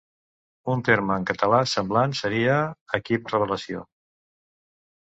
Un terme en català semblant seria equip revelació.